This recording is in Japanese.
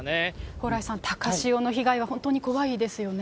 蓬莱さん、高潮の被害は本当に怖いですよね。